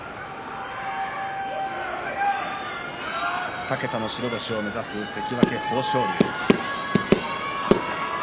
２桁の白星を目指す関脇豊昇龍。